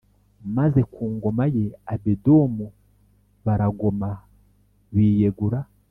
Maze ku ngoma ye abedomu baragoma biyegura